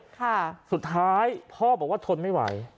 ค่ะสุดท้ายพ่อบอกว่าทนไม่ไหว